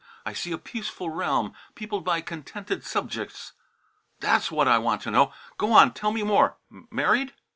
I see a peaceful realm peopled by contented subjects." "That's what I want to know. Go on; tell me more. Married?"